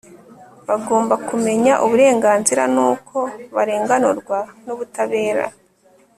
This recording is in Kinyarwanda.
bagomba kumenya uburenganzira n'uko barenganurwa n'ubutabera